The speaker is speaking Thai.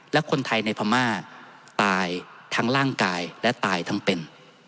และคนไทยในพม่าตายทั้งร่างกายและตายทั้งเป็น